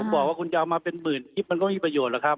บอกว่าคุณจะเอามาเป็นหมื่นคลิปมันก็ไม่มีประโยชนหรอกครับ